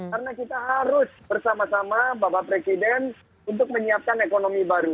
karena kita harus bersama sama bapak presiden untuk menyiapkan ekonomi baru